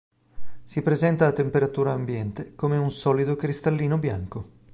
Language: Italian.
Si presenta a temperatura ambiente come un solido cristallino bianco.